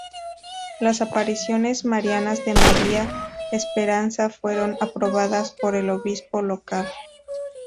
Las apariciones marianas de María Esperanza fueron aprobadas por el obispo local.